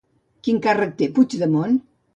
Quin càrrec té Puigdemont?